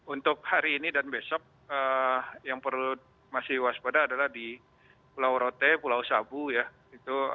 untuk hari ini dan besok yang perlu masih waspada adalah di pulau rote pulau sabu ya